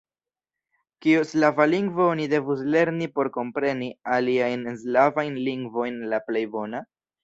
Kiu slava lingvo oni devus lerni por kompreni aliajn slavajn lingvojn la plej bona?